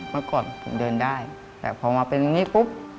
เมื่อก่อนผมเดินได้แต่พอมาเป็นอย่างนี้ปุ๊บ